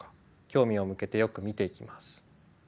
興味を向けてよく見ていきます。